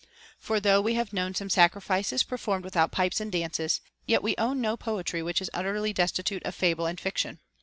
For though we have known some sacrifices performed without pipes and dances, yet we own no poetry which is utterly destitute of fable and fiction.